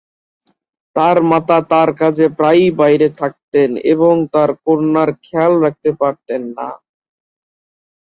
তার মাতা তার কাজে প্রায়ই বাইরে থাকতেন এবং তার কন্যার খেয়াল রাখতে পারতেন না।